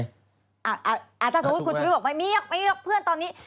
ถ้าสมมุติคุณชุวิตบอกไม่มีหรอกเพื่อนตอนนี้